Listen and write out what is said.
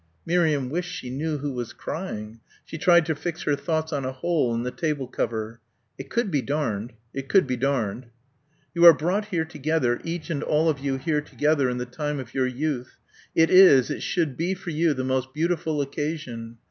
Miriam wished she knew who was crying. She tried to fix her thoughts on a hole in the table cover. "It could be darned.... It could be darned." "You are brought here together, each and all of you here together in the time of your youth. It is, it should be for you the most beautiful occasion.